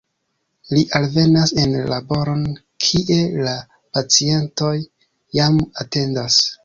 Li alvenas en laboron, kie la pacientoj jam atendas.